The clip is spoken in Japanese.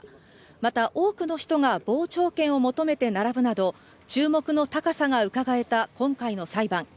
また、多くの人が傍聴券を求めて並ぶなど注目の高さがうかがえた今回の裁判。